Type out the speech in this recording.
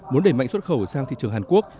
muốn đẩy mạnh xuất khẩu sang thị trường hàn quốc